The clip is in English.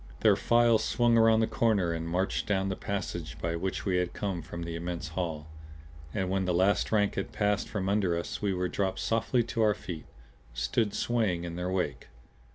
Their files swung around the corner and marched down the passage by which we had come from the immense hall. And when the last rank had passed from under us we were dropped softly to our feet; stood swaying in their wake.